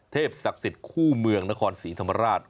ศักดิ์สิทธิ์คู่เมืองนครศรีธรรมราช